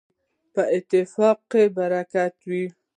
په اتفاق کي برکت وي.